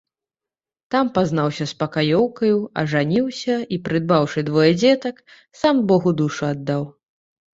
Там пазнаўся з пакаёўкаю, ажаніўся і, прыдбаўшы двое дзетак, сам богу душу аддаў.